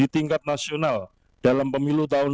tingkat nasional dalam pemilu tahun dua ribu dua puluh empat